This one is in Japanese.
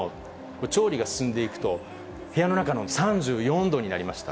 調理が進んでいくと、部屋の中、３４度になりました。